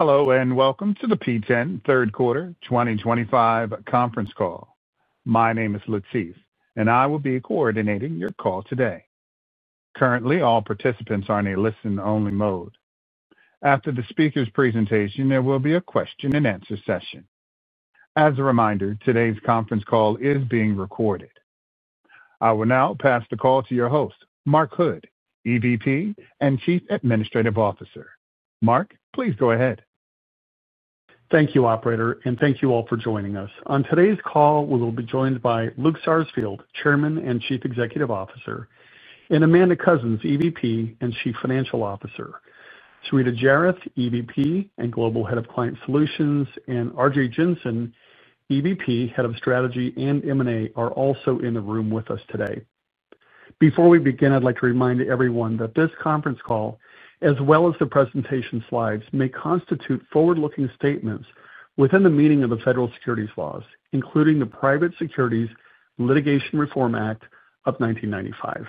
Hello and welcome to the P10 Third Quarter 2025 Conference Call. My name is Latif, and I will be coordinating your call today. Currently, all participants are in a listen-only mode. After the speaker's presentation, there will be a question-and-answer session. As a reminder, today's conference call is being recorded. I will now pass the call to your host, Mark Hood, EVP and Chief Administrative Officer. Mark, please go ahead. Thank you, Operator, and thank you all for joining us. On today's call, we will be joined by Luke Sarsfield, Chairman and Chief Executive Officer, and Amanda Cousins, EVP and Chief Financial Officer. Srita Jairath, EVP and Global Head of Client Solutions, and Arjay Jensen, EVP, Head of Strategy and M&A, are also in the room with us today. Before we begin, I'd like to remind everyone that this conference call, as well as the presentation slides, may constitute forward-looking statements within the meaning of the federal securities laws, including the Private Securities Litigation Reform Act of 1995.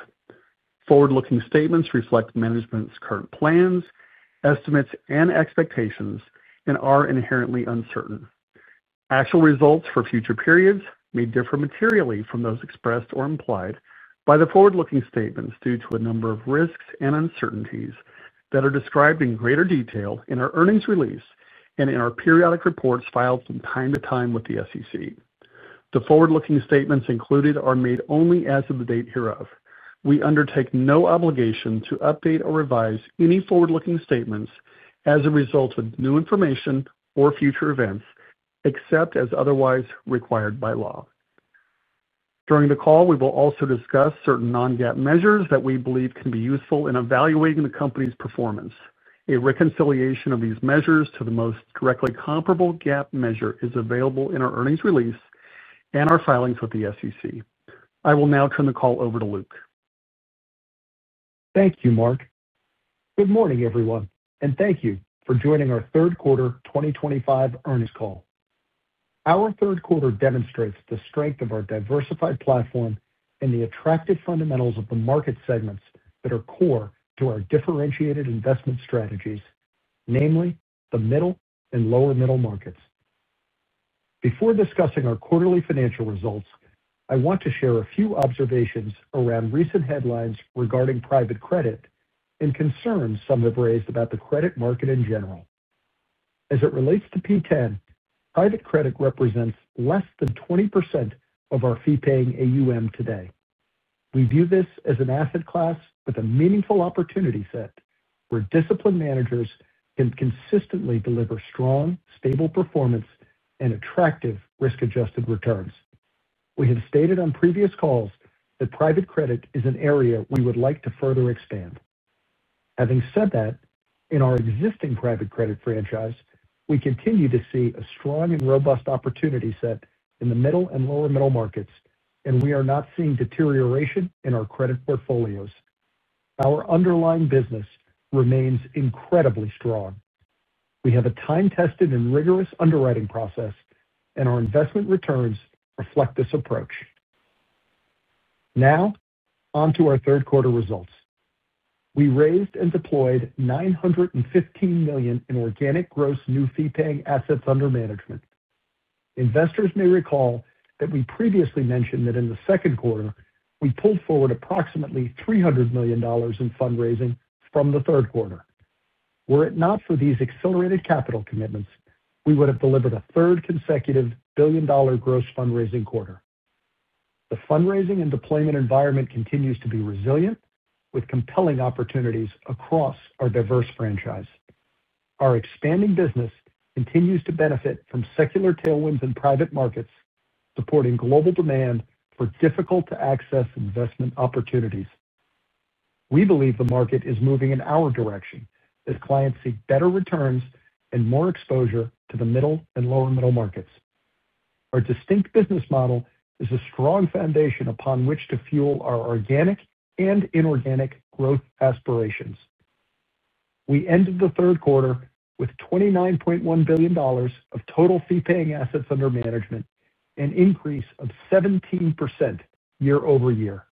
Forward-looking statements reflect management's current plans, estimates, and expectations and are inherently uncertain. Actual results for future periods may differ materially from those expressed or implied by the forward-looking statements due to the number of risks and uncertainties that are described in greater detail in our earnings release and in our periodic reports filed from time to time with the SEC. The forward-looking statements included are made only as of the date hereof. We undertake no obligation to update or revise any forward-looking statements as a result of new information or future events, except as otherwise required by law. During the call, we will also discuss certain non-GAAP measures that we believe can be useful in evaluating the company's performance. A reconciliation of these measures to the most directly comparable GAAP measure is available in our earnings release and our filings with the SEC. I will now turn the call over to Luke. Thank you, Mark. Good morning, everyone, and thank you for joining our Third Quarter 2025 Earnings Call. Our third quarter demonstrates the strength of our diversified platform and the attractive fundamentals of the market segments that are core to our differentiated investment strategies, namely the middle and lower middle markets. Before discussing our quarterly financial results, I want to share a few observations around recent headlines regarding private credit and concerns some have raised about the credit market in general. As it relates to P10, private credit represents less than 20% of our fee-paying AUM today. We view this as an asset class with a meaningful opportunity set where disciplined managers can consistently deliver strong, stable performance and attractive risk-adjusted returns. We have stated on previous calls that private credit is an area we would like to further expand. Having said that, in our existing private credit franchise, we continue to see a strong and robust opportunity set in the middle and lower middle markets, and we are not seeing deterioration in our credit portfolios. Our underlying business remains incredibly strong. We have a time-tested and rigorous underwriting process, and our investment returns reflect this approach. Now, onto our third quarter results. We raised and deployed $915 million in organic gross new fee-paying assets under management. Investors may recall that we previously mentioned that in the second quarter, we pulled forward approximately $300 million in fundraising from the third quarter. Were it not for these accelerated capital commitments, we would have delivered a third consecutive billion-dollar gross fundraising quarter. The fundraising and deployment environment continues to be resilient, with compelling opportunities across our diverse franchise. Our expanding business continues to benefit from secular tailwinds in private markets, supporting global demand for difficult-to-access investment opportunities. We believe the market is moving in our direction as clients seek better returns and more exposure to the middle and lower middle markets. Our distinct business model is a strong foundation upon which to fuel our organic and inorganic growth aspirations. We ended the third quarter with $29.1 billion of total fee-paying assets under management, an increase of 17% year-over-year.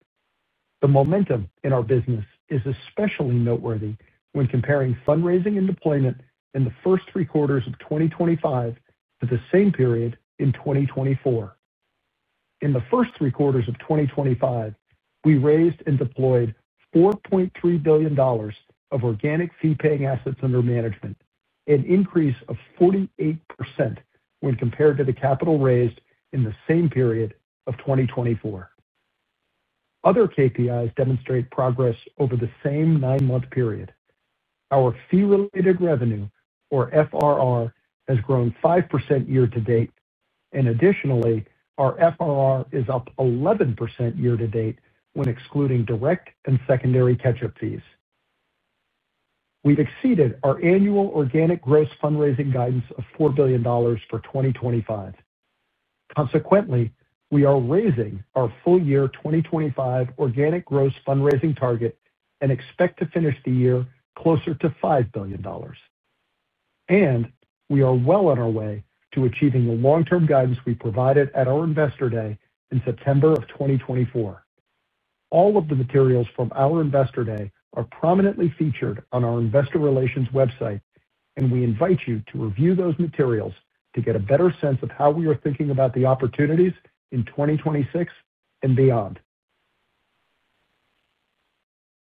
The momentum in our business is especially noteworthy when comparing fundraising and deployment in the first three quarters of 2025 to the same period in 2024. In the first three quarters of 2025, we raised and deployed $4.3 billion of organic fee-paying assets under management, an increase of 48% when compared to the capital raised in the same period of 2024. Other KPIs demonstrate progress over the same nine-month period. Our fee-related revenue, or FRR, has grown 5% year-to-date, and additionally, our FRR is up 11% year-to-date when excluding direct and secondary catch-up fees. We have exceeded our annual organic gross fundraising guidance of $4 billion for 2025. Consequently, we are raising our full-year 2025 organic gross fundraising target and expect to finish the year closer to $5 billion. We are well on our way to achieving the long-term guidance we provided at our Investor Day in September of 2024. All of the materials from our Investor Day are prominently featured on our Investor Relations website, and we invite you to review those materials to get a better sense of how we are thinking about the opportunities in 2026 and beyond.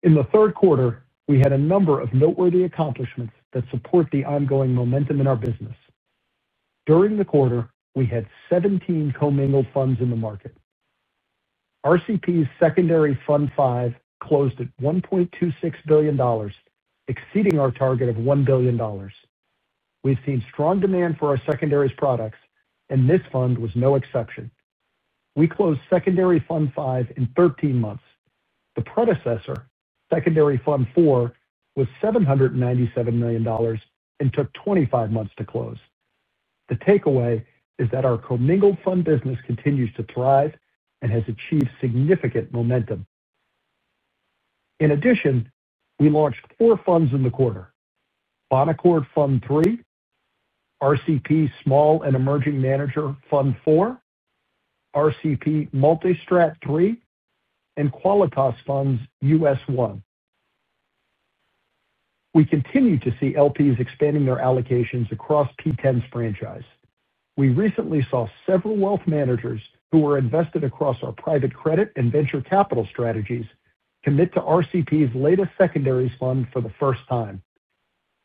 In the third quarter, we had a number of noteworthy accomplishments that support the ongoing momentum in our business. During the quarter, we had 17 commingled funds in the market. RCP's Secondary Fund 5 closed at $1.26 billion, exceeding our target of $1 billion. We've seen strong demand for our secondaries products, and this fund was no exception. We closed Secondary Fund 5 in 13 months. The predecessor, Secondary Fund 4, was $797 million and took 25 months to close. The takeaway is that our commingled fund business continues to thrive and has achieved significant momentum. In addition, we launched four funds in the quarter: Bonaccord Fund 3, RCP Small and Emerging Manager Fund 4, RCP Multistrat 3, and Qualitas Funds US 1. We continue to see LPs expanding their allocations across P10's franchise. We recently saw several wealth managers who were invested across our private credit and venture capital strategies commit to RCP's latest secondaries fund for the first time.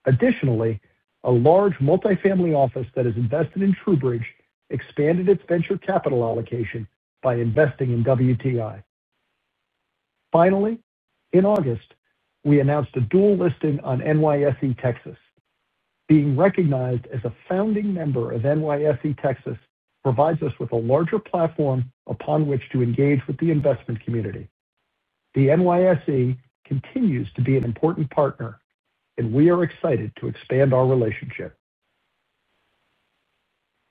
Additionally, a large multifamily office that is invested in TrueBridge expanded its venture capital allocation by investing in WTI. Finally, in August, we announced a dual listing on NYSE Texas. Being recognized as a founding member of NYSE Texas provides us with a larger platform upon which to engage with the investment community. The NYSE continues to be an important partner, and we are excited to expand our relationship.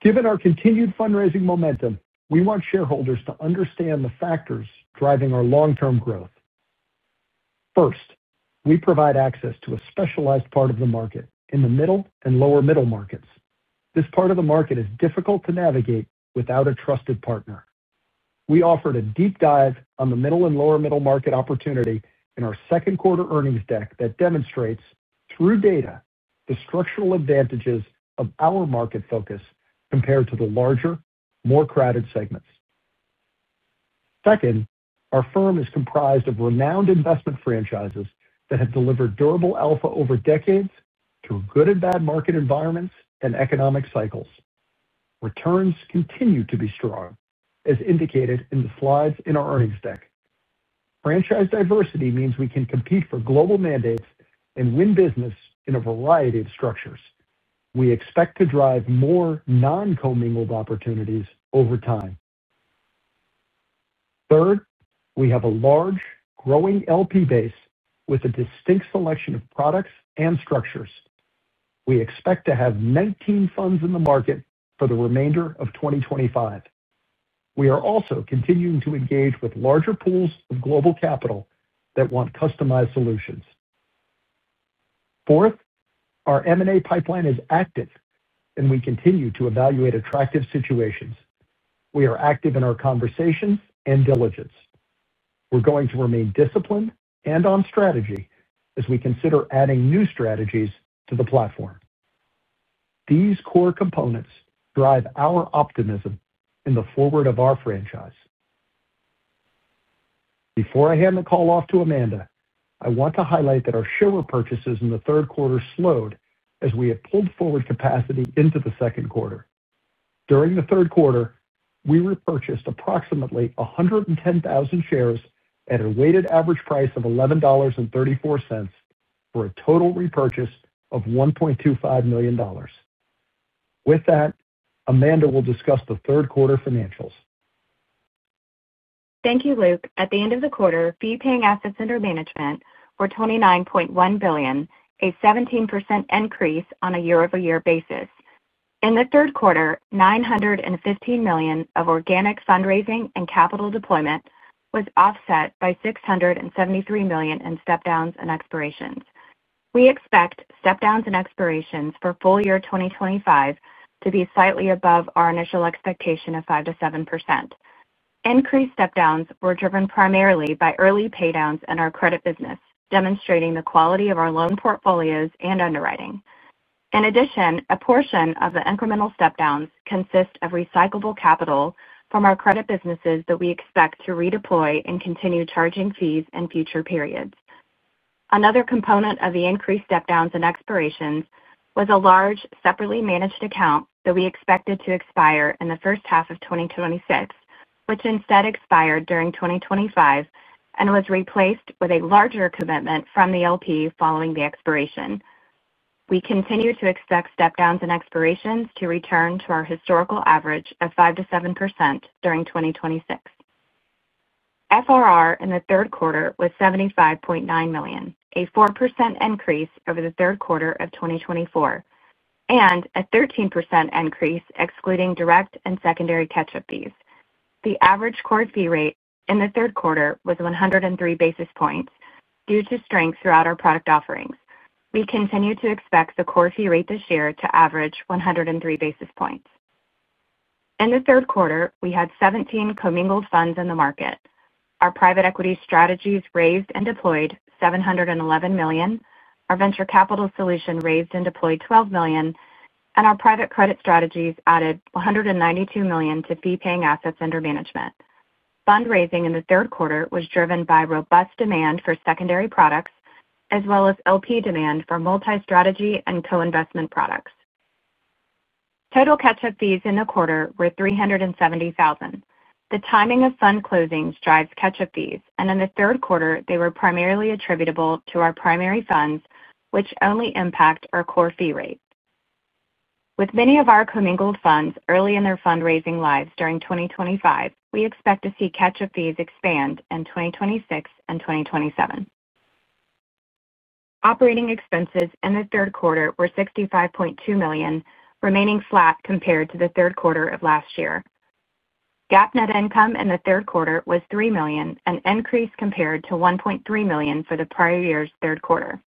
Given our continued fundraising momentum, we want shareholders to understand the factors driving our long-term growth. First, we provide access to a specialized part of the market in the middle and lower middle markets. This part of the market is difficult to navigate without a trusted partner. We offered a deep dive on the middle and lower middle market opportunity in our second quarter earnings deck that demonstrates, through data, the structural advantages of our market focus compared to the larger, more crowded segments. Second, our firm is comprised of renowned investment franchises that have delivered durable alpha over decades through good and bad market environments and economic cycles. Returns continue to be strong, as indicated in the slides in our earnings deck. Franchise diversity means we can compete for global mandates and win business in a variety of structures. We expect to drive more non-commingled opportunities over time. Third, we have a large, growing LP base with a distinct selection of products and structures. We expect to have 19 funds in the market for the remainder of 2025. We are also continuing to engage with larger pools of global capital that want customized solutions. Fourth, our M&A pipeline is active, and we continue to evaluate attractive situations. We are active in our conversations and diligence. We're going to remain disciplined and on strategy as we consider adding new strategies to the platform. These core components drive our optimism in the forward of our franchise. Before I hand the call off to Amanda, I want to highlight that our share repurchases in the third quarter slowed as we have pulled forward capacity into the second quarter. During the third quarter, we repurchased approximately 110,000 shares at a weighted average price of $11.34 for a total repurchase of $1.25 million. With that, Amanda will discuss the third quarter financials. Thank you, Luke. At the end of the quarter, fee-paying assets under management were $29.1 billion, a 17% increase on a year-over-year basis. In the third quarter, $915 million of organic fundraising and capital deployment was offset by $673 million in step-downs and expirations. We expect step-downs and expirations for full year 2025 to be slightly above our initial expectation of 5%-7%. Increased step-downs were driven primarily by early paydowns in our credit business, demonstrating the quality of our loan portfolios and underwriting. In addition, a portion of the incremental step-downs consists of recyclable capital from our credit businesses that we expect to redeploy and continue charging fees in future periods. Another component of the increased step-downs and expirations was a large, separately managed account that we expected to expire in the first half of 2026, which instead expired during 2025 and was replaced with a larger commitment from the LP following the expiration. We continue to expect step-downs and expirations to return to our historical average of 5%-7% during 2026. FRR in the third quarter was $75.9 million, a 4% increase over the third quarter of 2024. A 13% increase excluding direct and secondary catch-up fees. The average core fee rate in the third quarter was 103 basis points due to strength throughout our product offerings. We continue to expect the core fee rate this year to average 103 basis points. In the third quarter, we had 17 commingled funds in the market. Our private equity strategies raised and deployed $711 million, our venture capital solution raised and deployed $12 million, and our private credit strategies added $192 million to fee-paying assets under management. Fundraising in the third quarter was driven by robust demand for secondary products, as well as LP demand for multi-strategy and co-investment products. Total catch-up fees in the quarter were $370,000. The timing of fund closings drives catch-up fees, and in the third quarter, they were primarily attributable to our primary funds, which only impact our core fee rate. With many of our commingled funds early in their fundraising lives during 2025, we expect to see catch-up fees expand in 2026 and 2027. Operating expenses in the third quarter were $65.2 million, remaining flat compared to the third quarter of last year. GAAP net income in the third quarter was $3 million, an increase compared to $1.3 million for the prior year's third quarter.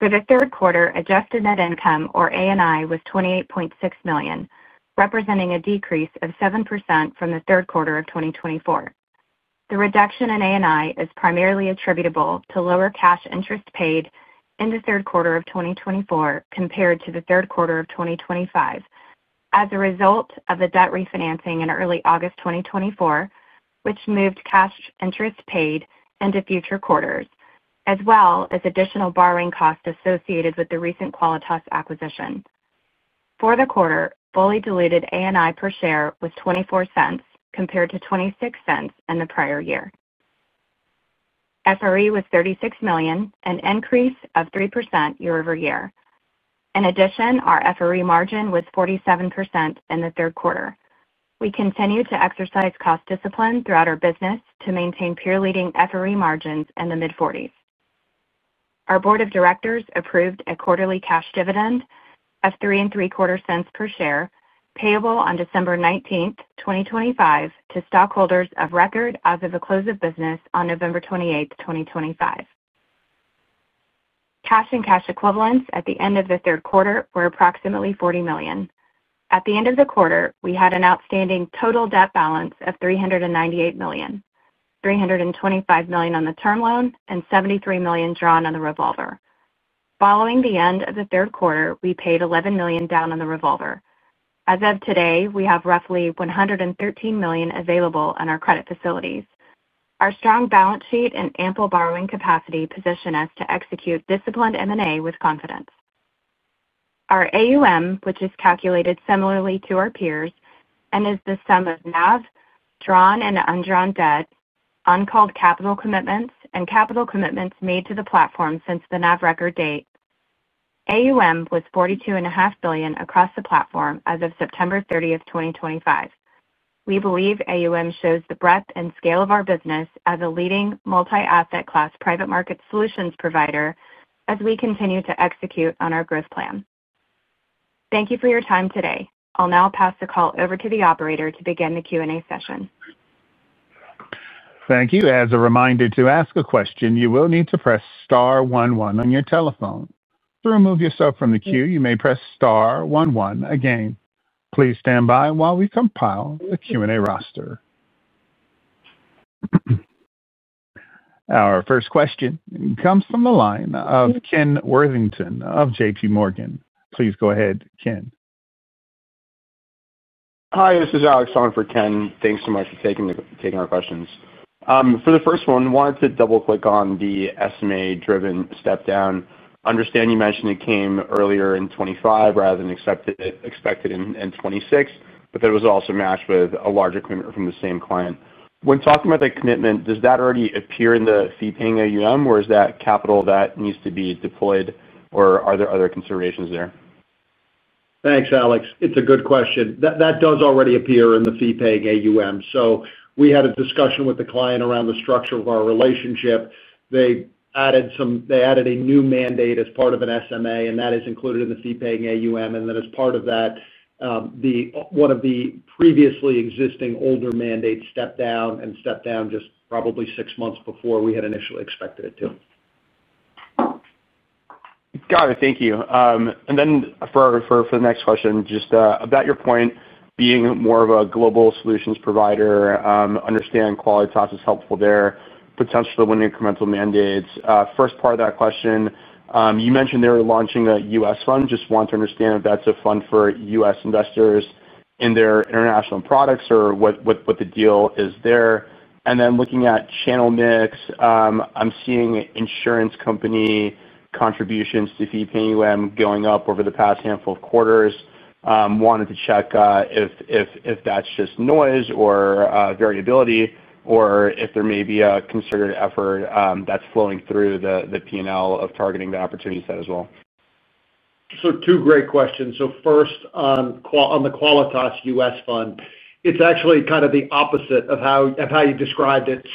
For the third quarter, adjusted net income, or ANI, was $28.6 million, representing a decrease of 7% from the third quarter of 2024. The reduction in ANI is primarily attributable to lower cash interest paid in the third quarter of 2024 compared to the third quarter of 2025. As a result of the debt refinancing in early August 2024, which moved cash interest paid into future quarters, as well as additional borrowing costs associated with the recent Qualitas acquisition. For the quarter, fully diluted ANI per share was $0.24 compared to $0.26 in the prior year. FRE was $36 million, an increase of 3% year-over-year. In addition, our FRE margin was 47% in the third quarter. We continue to exercise cost discipline throughout our business to maintain peer-leading FRE margins in the mid-40%. Our Board of Directors approved a quarterly cash dividend of $0.033 per share, payable on December 19, 2025, to stockholders of record as of the close of business on November 28, 2025. Cash and cash equivalents at the end of the third quarter were approximately $40 million. At the end of the quarter, we had an outstanding total debt balance of $398 million, $325 million on the term loan, and $73 million drawn on the revolver. Following the end of the third quarter, we paid $11 million down on the revolver. As of today, we have roughly $113 million available on our credit facilities. Our strong balance sheet and ample borrowing capacity position us to execute disciplined M&A with confidence. Our AUM, which is calculated similarly to our peers and is the sum of NAV, drawn and undrawn debt, on-call capital commitments, and capital commitments made to the platform since the NAV record date. AUM was $42.5 billion across the platform as of September 30, 2025. We believe AUM shows the breadth and scale of our business as a leading multi-asset class private market solutions provider as we continue to execute on our growth plan. Thank you for your time today. I'll now pass the call over to the operator to begin the Q&A session. Thank you. As a reminder to ask a question, you will need to press * 11 on your telephone. To remove yourself from the queue, you may press * 11 again. Please stand by while we compile the Q&A roster. Our first question comes from the line of Ken Worthington of J.P. Morgan. Please go ahead, Ken. Hi, this is Ken. Thanks so much for taking our questions. For the first one, I wanted to double-click on the SMA-driven step-down. I understand you mentioned it came earlier in 2025 rather than expected in 2026, but that it was also matched with a larger commitment from the same client. When talking about that commitment, does that already appear in the fee-paying AUM, or is that capital that needs to be deployed, or are there other considerations there? Thanks, Ken. It's a good question. That does already appear in the fee-paying AUM. We had a discussion with the client around the structure of our relationship. They added a new mandate as part of an SMA, and that is included in the fee-paying AUM. As part of that, one of the previously existing older mandates stepped down and stepped down just probably six months before we had initially expected it to. Got it. Thank you. For the next question, just about your point, being more of a global solutions provider, understand Qualitas is helpful there, potentially when incremental mandates. First part of that question, you mentioned they were launching a US fund. Just want to understand if that's a fund for US investors in their international products or what the deal is there. Looking at channel mix, I'm seeing insurance company contributions to fee-paying AUM going up over the past handful of quarters. Wanted to check if that's just noise or variability or if there may be a concerted effort that's flowing through the P&L of targeting the opportunities that as well. Two great questions. First, on the Qualitas US fund, it's actually kind of the opposite of how you described it.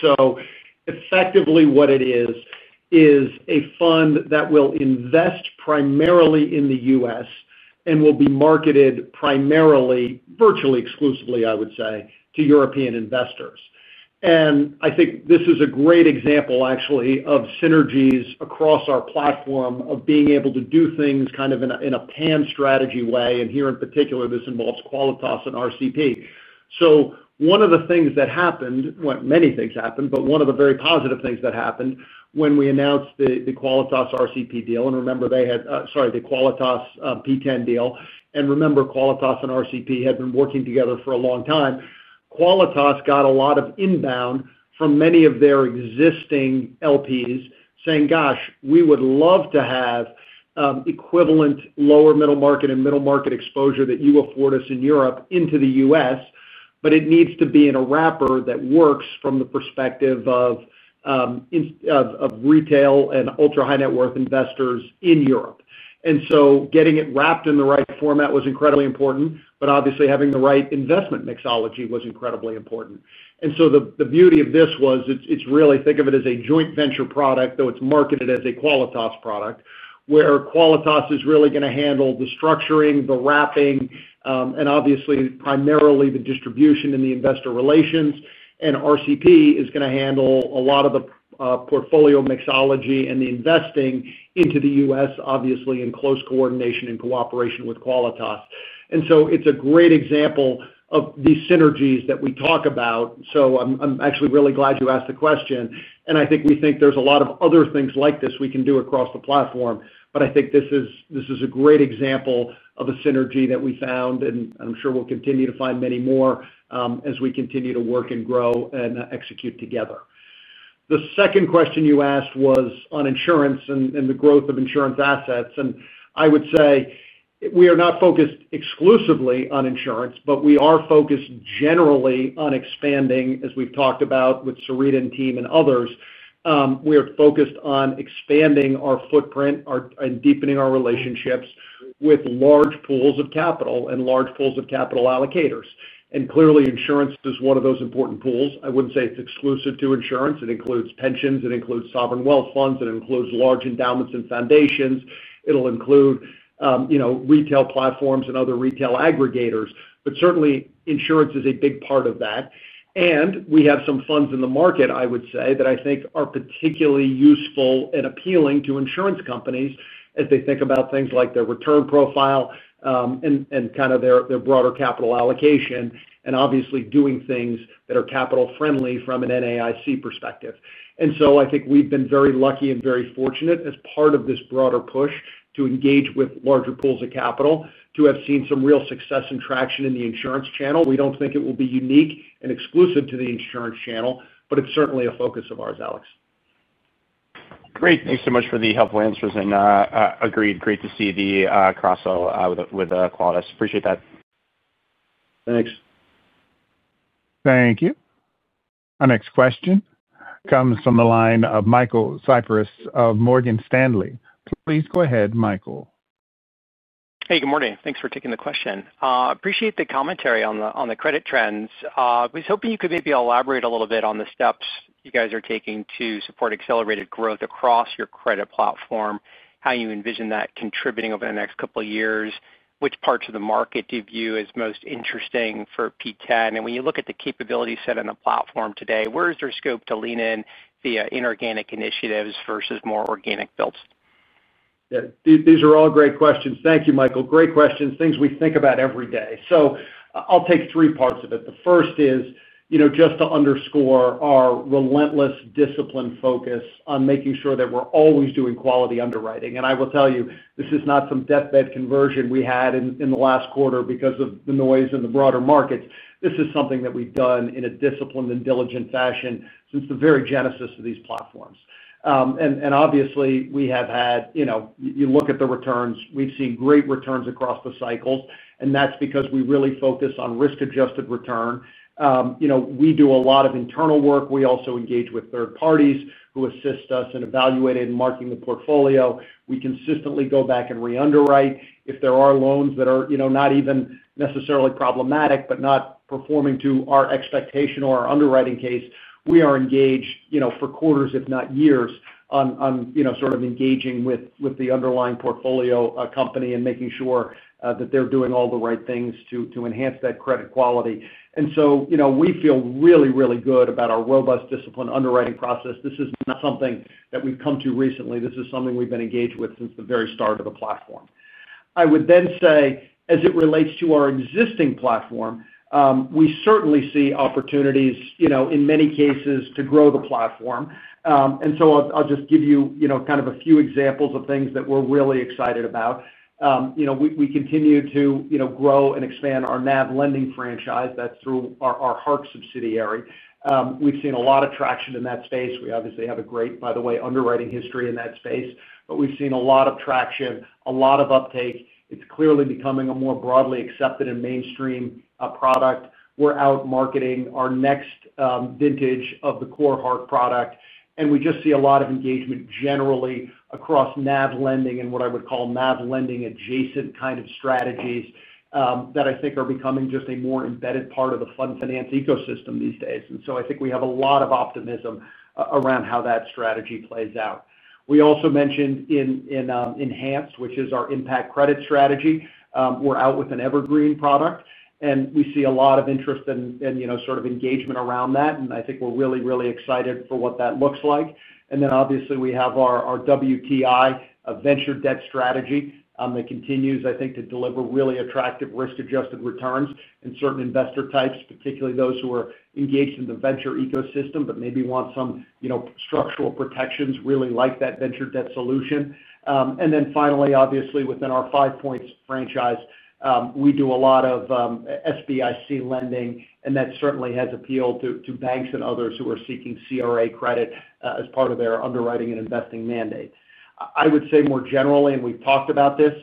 Effectively, what it is, is a fund that will invest primarily in the US and will be marketed primarily, virtually exclusively, I would say, to European investors. I think this is a great example, actually, of synergies across our platform of being able to do things kind of in a pan-strategy way. Here in particular, this involves Qualitas and RCP. One of the things that happened, well, many things happened, but one of the very positive things that happened when we announced the Qualitas-RCP deal, and remember they had, sorry, the Qualitas-P10 deal, and remember Qualitas and RCP had been working together for a long time, Qualitas got a lot of inbound from many of their existing LPs saying, "Gosh, we would love to have equivalent lower middle market and middle market exposure that you afford us in Europe into the US, but it needs to be in a wrapper that works from the perspective of retail and ultra-high net worth investors in Europe." Getting it wrapped in the right format was incredibly important, but obviously having the right investment mixology was incredibly important. The beauty of this was it's really, think of it as a joint venture product, though it's marketed as a Qualitas product, where Qualitas is really going to handle the structuring, the wrapping, and obviously primarily the distribution and the investor relations. RCP is going to handle a lot of the portfolio mixology and the investing into the US, obviously in close coordination and cooperation with Qualitas. It's a great example of these synergies that we talk about. I'm actually really glad you asked the question. I think we think there's a lot of other things like this we can do across the platform, but I think this is a great example of a synergy that we found, and I'm sure we'll continue to find many more as we continue to work and grow and execute together. The second question you asked was on insurance and the growth of insurance assets. I would say we are not focused exclusively on insurance, but we are focused generally on expanding, as we've talked about with Srita and team and others. We are focused on expanding our footprint and deepening our relationships with large pools of capital and large pools of capital allocators. Clearly, insurance is one of those important pools. I would not say it is exclusive to insurance. It includes pensions. It includes sovereign wealth funds. It includes large endowments and foundations. It will include retail platforms and other retail aggregators. Certainly, insurance is a big part of that. We have some funds in the market, I would say, that I think are particularly useful and appealing to insurance companies as they think about things like their return profile. Kind of their broader capital allocation, and obviously doing things that are capital-friendly from an NAIC perspective. I think we've been very lucky and very fortunate as part of this broader push to engage with larger pools of capital, to have seen some real success and traction in the insurance channel. We do not think it will be unique and exclusive to the insurance channel, but it is certainly a focus of ours, Alex. Great. Thanks so much for the helpful answers. Agreed. Great to see the cross-sell with Qualitas. Appreciate that. Thanks. Thank you. Our next question comes from the line of Michael Cyprys of Morgan Stanley. Please go ahead, Michael. Hey, good morning. Thanks for taking the question. Appreciate the commentary on the credit trends. I was hoping you could maybe elaborate a little bit on the steps you guys are taking to support accelerated growth across your credit platform, how you envision that contributing over the next couple of years, which parts of the market do you view as most interesting for P10? When you look at the capability set in the platform today, where is there scope to lean in via inorganic initiatives versus more organic builds? Yeah. These are all great questions. Thank you, Michael. Great questions. Things we think about every day. I'll take three parts of it. The first is just to underscore our relentless discipline focus on making sure that we're always doing quality underwriting. I will tell you, this is not some deathbed conversion we had in the last quarter because of the noise in the broader markets. This is something that we've done in a disciplined and diligent fashion since the very genesis of these platforms. Obviously, you look at the returns, we've seen great returns across the cycles, and that's because we really focus on risk-adjusted return. We do a lot of internal work. We also engage with third parties who assist us in evaluating and marking the portfolio. We consistently go back and re-underwrite. If there are loans that are not even necessarily problematic, but not performing to our expectation or our underwriting case, we are engaged for quarters, if not years, on sort of engaging with the underlying portfolio company and making sure that they're doing all the right things to enhance that credit quality. We feel really, really good about our robust discipline underwriting process. This is not something that we've come to recently. This is something we've been engaged with since the very start of the platform. I would then say, as it relates to our existing platform, we certainly see opportunities in many cases to grow the platform. I'll just give you kind of a few examples of things that we're really excited about. We continue to grow and expand our NAV lending franchise. That's through our Hark subsidiary. We've seen a lot of traction in that space. We obviously have a great, by the way, underwriting history in that space, but we've seen a lot of traction, a lot of uptake. It's clearly becoming a more broadly accepted and mainstream product. We're out marketing our next vintage of the CoreHark product. We just see a lot of engagement generally across NAV lending and what I would call NAV lending-adjacent kind of strategies that I think are becoming just a more embedded part of the fund finance ecosystem these days. I think we have a lot of optimism around how that strategy plays out. We also mentioned in Enhanced, which is our impact credit strategy, we're out with an evergreen product. We see a lot of interest and sort of engagement around that. I think we're really, really excited for what that looks like. Obviously, we have our WTI, a venture debt strategy that continues, I think, to deliver really attractive risk-adjusted returns in certain investor types, particularly those who are engaged in the venture ecosystem but maybe want some structural protections, really like that venture debt solution. Finally, obviously, within our Five Points franchise, we do a lot of SBIC lending, and that certainly has appeal to banks and others who are seeking CRA credit as part of their underwriting and investing mandate. I would say more generally, and we've talked about this,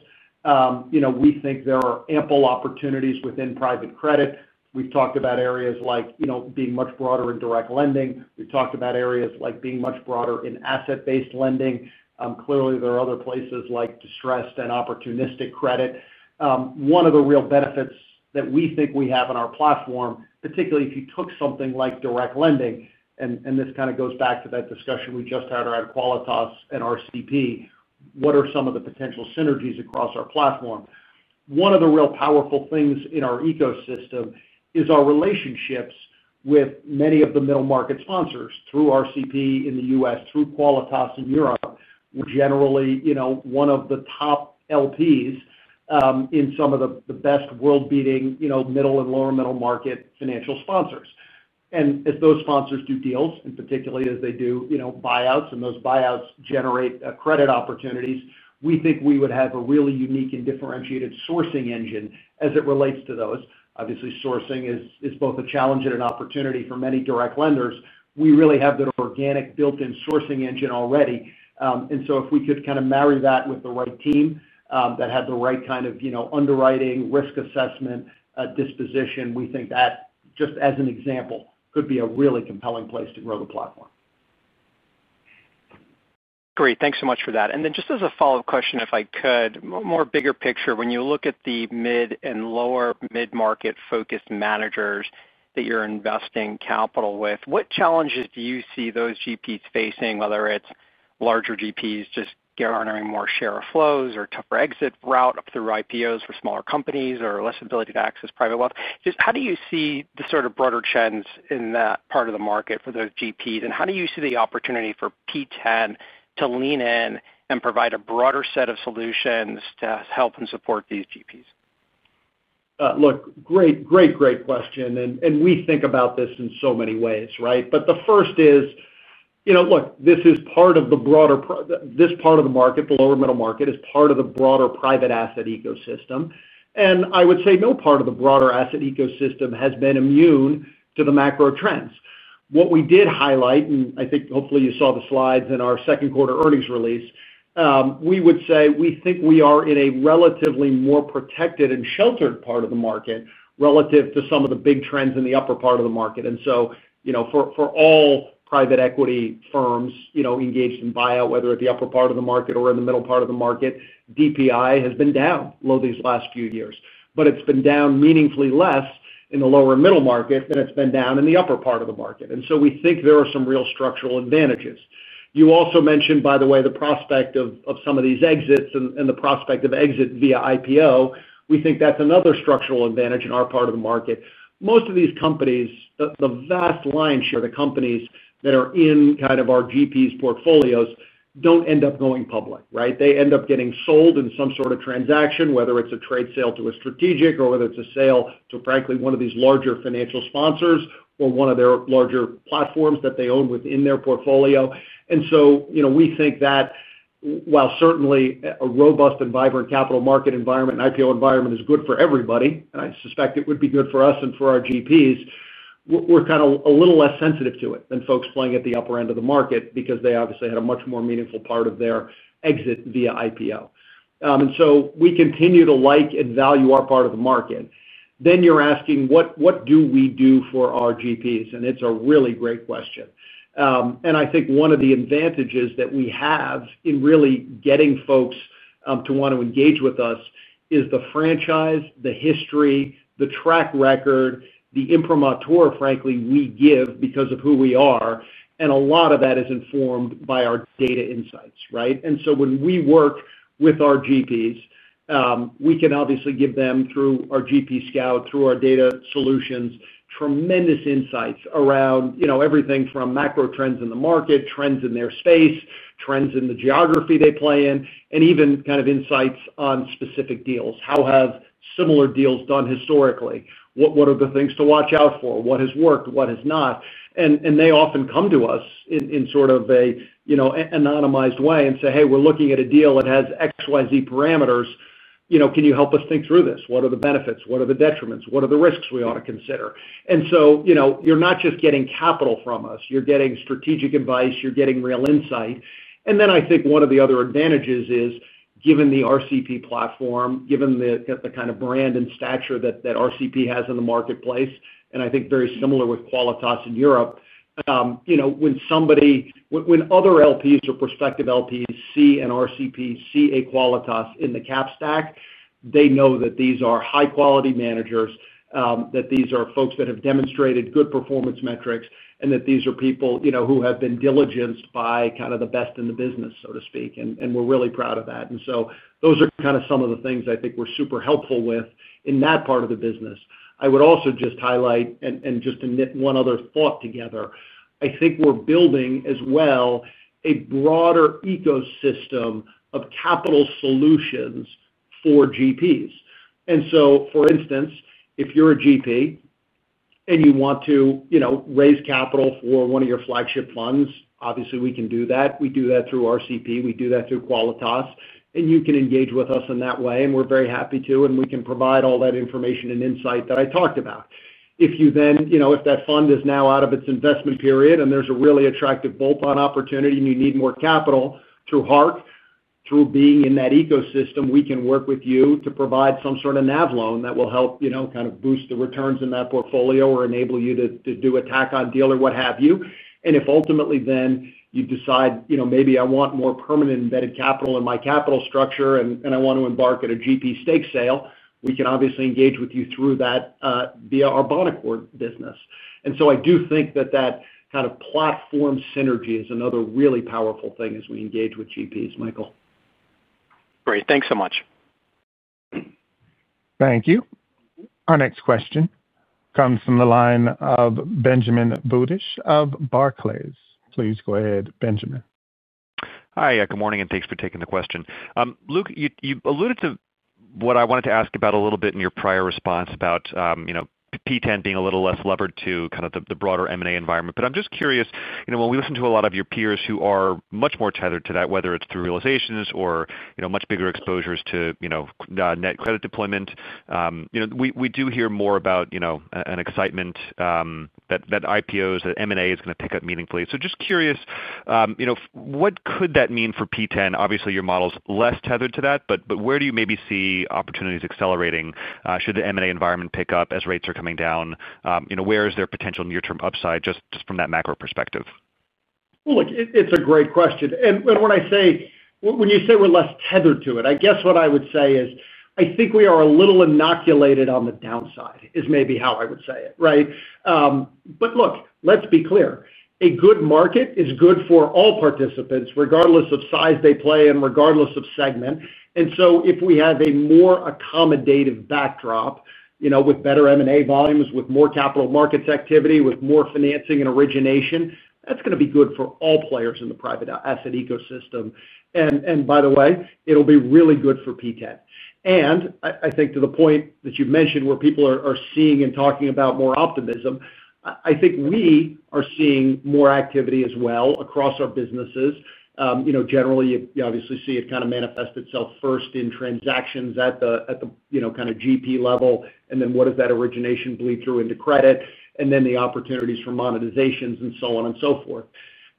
we think there are ample opportunities within private credit. We've talked about areas like being much broader in direct lending. We've talked about areas like being much broader in asset-based lending. Clearly, there are other places like distressed and opportunistic credit. One of the real benefits that we think we have in our platform, particularly if you took something like direct lending, and this kind of goes back to that discussion we just had around Qualitas and RCP, what are some of the potential synergies across our platform? One of the real powerful things in our ecosystem is our relationships with many of the middle market sponsors through RCP in the US, through Qualitas in Europe, generally one of the top LPs in some of the best world-beating middle and lower middle market financial sponsors. As those sponsors do deals, and particularly as they do buyouts, and those buyouts generate credit opportunities, we think we would have a really unique and differentiated sourcing engine as it relates to those. Obviously, sourcing is both a challenge and an opportunity for many direct lenders. We really have that organic built-in sourcing engine already. If we could kind of marry that with the right team that had the right kind of underwriting, risk assessment, disposition, we think that, just as an example, could be a really compelling place to grow the platform. Great. Thanks so much for that. Just as a follow-up question, if I could, more bigger picture, when you look at the mid and lower mid-market-focused managers that you're investing capital with, what challenges do you see those GPs facing, whether it's larger GPs just garnering more share of flows or a tougher exit route up through IPOs for smaller companies or less ability to access private wealth? Just how do you see the sort of broader trends in that part of the market for those GPs? How do you see the opportunity for P10 to lean in and provide a broader set of solutions to help and support these GPs? Great question. We think about this in so many ways, right? The first is, this part of the market, the lower middle market, is part of the broader private asset ecosystem. I would say no part of the broader asset ecosystem has been immune to the macro trends. What we did highlight, and I think hopefully you saw the slides in our second quarter earnings release, we would say we think we are in a relatively more protected and sheltered part of the market relative to some of the big trends in the upper part of the market. For all private equity firms engaged in buyout, whether at the upper part of the market or in the middle part of the market, DPI has been down over these last few years. It has been down meaningfully less in the lower middle market than it has been down in the upper part of the market. We think there are some real structural advantages. You also mentioned, by the way, the prospect of some of these exits and the prospect of exit via IPO. We think that is another structural advantage in our part of the market. Most of these companies, the vast lion's share of the companies that are in kind of our GPs' portfolios do not end up going public, right? They end up getting sold in some sort of transaction, whether it is a trade sale to a strategic or whether it is a sale to, frankly, one of these larger financial sponsors or one of their larger platforms that they own within their portfolio. We think that. While certainly a robust and vibrant capital market environment and IPO environment is good for everybody, and I suspect it would be good for us and for our GPs, we're kind of a little less sensitive to it than folks playing at the upper end of the market because they obviously had a much more meaningful part of their exit via IPO. We continue to like and value our part of the market. You're asking, what do we do for our GPs? It's a really great question. I think one of the advantages that we have in really getting folks to want to engage with us is the franchise, the history, the track record, the imprimatur, frankly, we give because of who we are. A lot of that is informed by our data insights, right? When we work with our GPs, we can obviously give them, through our GP scout, through our data solutions, tremendous insights around everything from macro trends in the market, trends in their space, trends in the geography they play in, and even kind of insights on specific deals. How have similar deals done historically? What are the things to watch out for? What has worked? What has not? They often come to us in sort of an anonymized way and say, "Hey, we're looking at a deal that has XYZ parameters. Can you help us think through this? What are the benefits? What are the detriments? What are the risks we ought to consider?" You are not just getting capital from us. You are getting strategic advice. You are getting real insight. I think one of the other advantages is, given the RCP platform, given the kind of brand and stature that RCP has in the marketplace, and I think very similar with Qualitas in Europe. When somebody, when other LPs or prospective LPs see an RCP, see a Qualitas in the cap stack, they know that these are high-quality managers, that these are folks that have demonstrated good performance metrics, and that these are people who have been diligenced by kind of the best in the business, so to speak. We're really proud of that. Those are kind of some of the things I think we're super helpful with in that part of the business. I would also just highlight, and just to knit one other thought together, I think we're building as well a broader ecosystem of capital solutions for GPs. For instance, if you're a GP and you want to raise capital for one of your flagship funds, obviously we can do that. We do that through RCP. We do that through Qualitas. You can engage with us in that way. We're very happy to, and we can provide all that information and insight that I talked about. If that fund is now out of its investment period and there's a really attractive bolt-on opportunity and you need more capital through Hark, through being in that ecosystem, we can work with you to provide some sort of NAV loan that will help kind of boost the returns in that portfolio or enable you to do a tack-on deal or what have you. If ultimately then you decide, "Maybe I want more permanent embedded capital in my capital structure and I want to embark at a GP stake sale," we can obviously engage with you through that via our Bonaccord business. I do think that that kind of platform synergy is another really powerful thing as we engage with GPs, Michael. Great. Thanks so much. Thank you. Our next question comes from the line of Benjamin Budish of Barclays. Please go ahead, Benjamin. Hi. Good morning and thanks for taking the question. Luke, you alluded to what I wanted to ask about a little bit in your prior response about P10 being a little less levered to kind of the broader M&A environment. I'm just curious, when we listen to a lot of your peers who are much more tethered to that, whether it's through realizations or much bigger exposures to net credit deployment, we do hear more about an excitement that IPOs, that M&A is going to pick up meaningfully. Just curious, what could that mean for P10? Obviously, your model's less tethered to that, but where do you maybe see opportunities accelerating? Should the M&A environment pick up as rates are coming down, where is there potential near-term upside just from that macro perspective? It is a great question. When you say we are less tethered to it, I guess what I would say is, I think we are a little inoculated on the downside is maybe how I would say it, right? Look, let's be clear. A good market is good for all participants, regardless of size they play in, regardless of segment. If we have a more accommodative backdrop with better M&A volumes, with more capital markets activity, with more financing and origination, that is going to be good for all players in the private asset ecosystem. By the way, it will be really good for P10. I think to the point that you have mentioned where people are seeing and talking about more optimism, I think we are seeing more activity as well across our businesses. Generally, you obviously see it kind of manifest itself first in transactions at the kind of GP level, and then what does that origination bleed through into credit, and then the opportunities for monetizations and so on and so forth.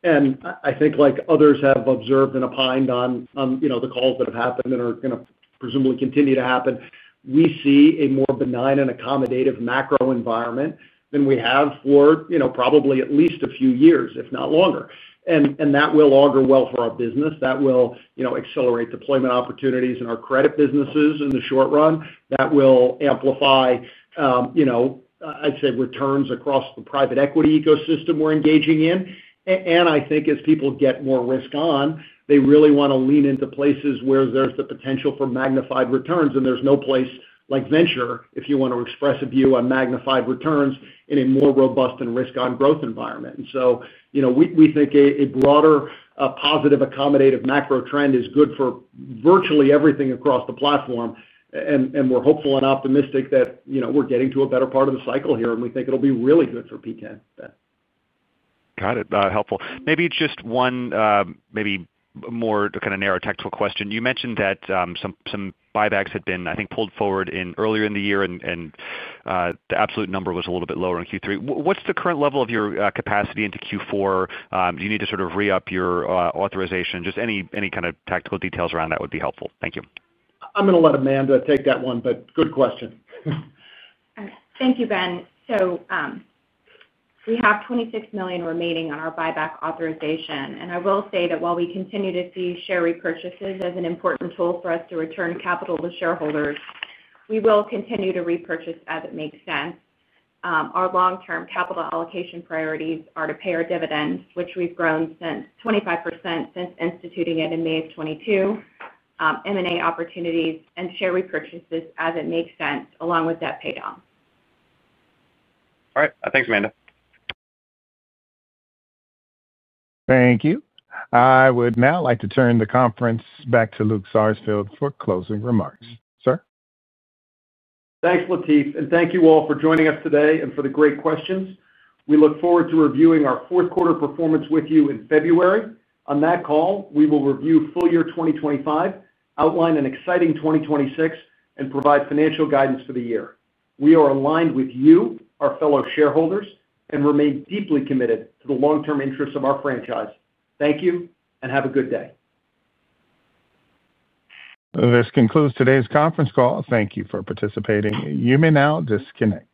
I think like others have observed and opined on the calls that have happened and are going to presumably continue to happen, we see a more benign and accommodative macro environment than we have for probably at least a few years, if not longer. That will augur well for our business. That will accelerate deployment opportunities in our credit businesses in the short run. That will amplify. I'd say returns across the private equity ecosystem we're engaging in. I think as people get more risk on, they really want to lean into places where there's the potential for magnified returns. There is no place like venture, if you want to express a view on magnified returns, in a more robust and risk-on growth environment. We think a broader positive accommodative macro trend is good for virtually everything across the platform. We are hopeful and optimistic that we are getting to a better part of the cycle here, and we think it will be really good for P10 then. Got it. Helpful. Maybe just one, maybe more kind of narrow technical question. You mentioned that some buybacks had been, I think, pulled forward earlier in the year, and the absolute number was a little bit lower in Q3. What's the current level of your capacity into Q4? Do you need to sort of re-up your authorization? Just any kind of tactical details around that would be helpful. Thank you. I'm going to let Amanda take that one, but good question. Thank you, Ben. We have $26 million remaining on our buyback authorization. I will say that while we continue to see share repurchases as an important tool for us to return capital to shareholders, we will continue to repurchase as it makes sense. Our long-term capital allocation priorities are to pay our dividends, which we have grown 25% since instituting it in May of 2022. M&A opportunities and share repurchases as it makes sense, along with debt paydown. All right. Thanks, Amanda. Thank you. I would now like to turn the conference back to Luke Sarsfield for closing remarks. Sir? Thanks, Latif. Thank you all for joining us today and for the great questions. We look forward to reviewing our fourth quarter performance with you in February. On that call, we will review full year 2025, outline an exciting 2026, and provide financial guidance for the year. We are aligned with you, our fellow shareholders, and remain deeply committed to the long-term interests of our franchise. Thank you and have a good day. This concludes today's conference call. Thank you for participating. You may now disconnect.